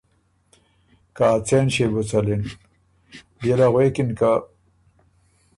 که ا څېن ݭيې بو څلِن۔ بيې له غوېکِن که